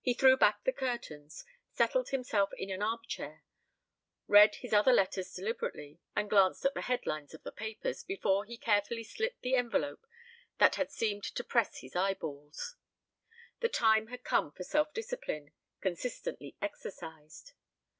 He threw back the curtains, settled himself in an armchair, read his other letters deliberately, and glanced at the headlines of the papers, before he carefully slit the envelope that had seemed to press his eyeballs. The time had come for self discipline, consistently exercised.